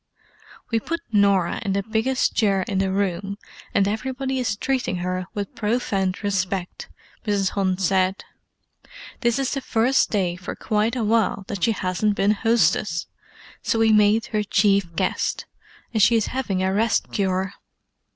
"We put Norah in the biggest chair in the room, and everybody is treating her with profound respect," Mrs. Hunt said. "This is the first day for quite a while that she hasn't been hostess, so we made her chief guest, and she is having a rest cure."